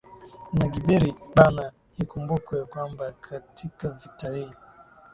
na Gberi Bana Ikumbukwe kwamba katika vita hii